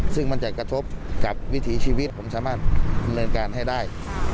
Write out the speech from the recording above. ซึ่งมันจะกระทบกับวิถีชีวิตผมสามารถดำเนินการให้ได้